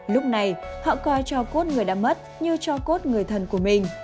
lúc này họ coi cho cốt người đã mất như cho cốt người thân của mình